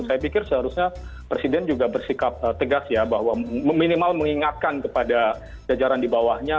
saya pikir seharusnya presiden juga bersikap tegas ya bahwa minimal mengingatkan kepada jajaran di bawahnya